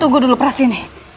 tunggu dulu prasini